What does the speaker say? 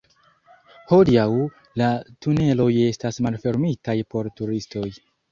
Hodiaŭ, la tuneloj estas malfermitaj por turistoj.